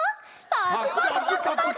パクパクパクパク。